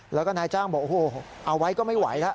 แล้วก็นายจ้างบอกโอ้โหเอาไว้ก็ไม่ไหวแล้ว